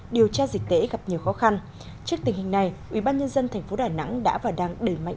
điều tra dịch tễ gặp nhiều khó khăn trước tình hình này ubnd tp đà nẵng đã và đang đẩy mạnh